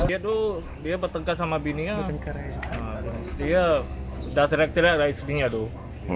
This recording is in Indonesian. dia tuh dia bertengkar sama bininya dia udah terek terek dari istrinya tuh